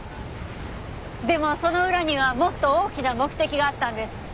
でもその裏にはもっと大きな目的があったんです。